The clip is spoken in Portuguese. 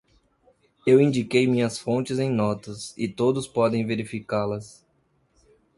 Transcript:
Eu indiquei minhas fontes em notas, e todos podem verificá-las.